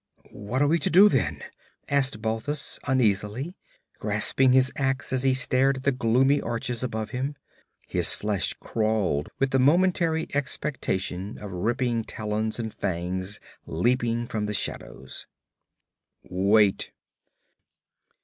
'What are we to do, then?' asked Balthus uneasily, grasping his ax as he stared at the gloomy arches above him. His flesh crawled with the momentary expectation of ripping talons and fangs leaping from the shadows. 'Wait!'